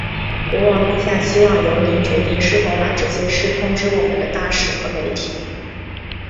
国王陛下希望由您决定是否把这些事通知我们的大使和媒体。